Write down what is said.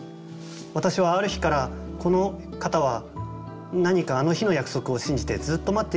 私はある日から「この方は何かあの日の約束を信じてずっと待っているんじゃないかな」。